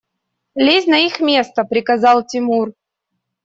– Лезь на их место! – приказал Тимур.